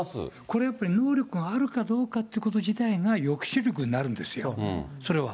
これやっぱり能力があるかどうかということ自体が、抑止力になるんですよ、それは。